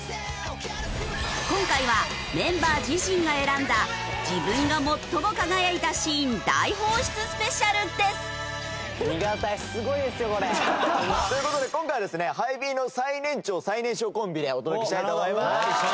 今回はメンバー自身が選んだ自分が最も輝いたシーン大放出スペシャルです！という事で今回はですねＨｉ美の最年長最年少コンビでお届けしたいと思います。